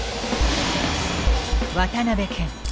渡辺謙。